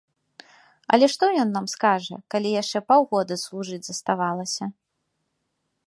Але што ён нам скажа, калі яшчэ паўгода служыць заставалася.